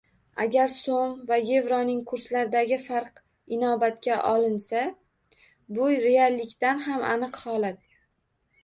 Agar so‘m va yevroning kurslaridagi farq inobatga olinsa, bu reallikdan ham aniq holat.